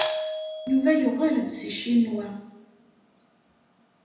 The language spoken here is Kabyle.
Yuba yuɣal-d seg Ccinwa.